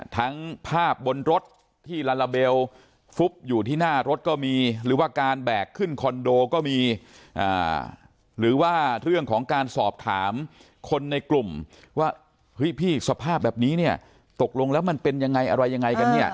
ทั้งภาพบนรถที่ลาลาเบลฟุบอยู่ที่หน้ารถก็มีหรือว่าการแบกขึ้นคอนโดก็มีหรือว่าเรื่องของการสอบถามคนในกลุ่มว่าเฮ้ยพี่สภาพแบบนี้เนี่ยตกลงแล้วมันเป็นยังไงอะไรยังไงกันเนี่ย